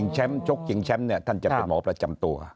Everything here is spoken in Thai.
แชมป์ชกชิงแชมป์เนี่ยท่านจะเป็นหมอประจำตัว